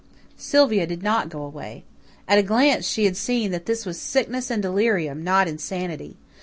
Sylvia did not go away. At a glance she had seen that this was sickness and delirium, not insanity.